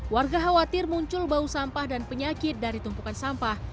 warga khawatir muncul bau sampah dan penyakit dari tumpukan sampah